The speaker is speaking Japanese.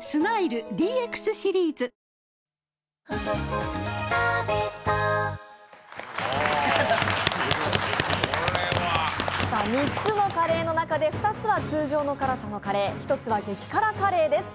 スマイル ＤＸ シリーズ！３つのカレーの中で２つは通常の辛さのカレー１つは激辛カレーです。